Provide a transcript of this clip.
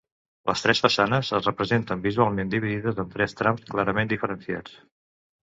Les tres façanes es presenten visualment dividides en tres trams clarament diferenciats.